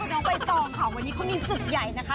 น้องใบตองค่ะวันนี้เขามีศึกใหญ่นะคะ